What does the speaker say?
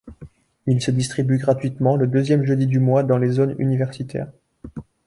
Il se distribue gratuitement le deuxième jeudi du mois dans les zones universitaires.